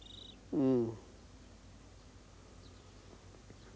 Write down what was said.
うん。